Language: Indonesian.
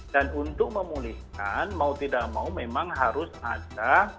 dan untuk memulihkan mau tidak mau memang harus ada